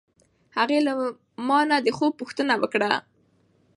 هغې له ما نه د خوب پوښتنه وکړه.